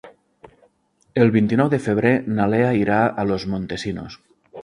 El vint-i-nou de febrer na Lea irà a Los Montesinos.